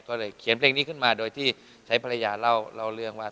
ก็เลยเขียนเพลงนี้ขึ้นมาโดยที่ใช้ภรรยาเล่าเรื่องว่า